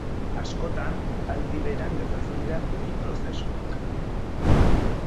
Askotan, aldi berean gertatzen dira bi prozesuak.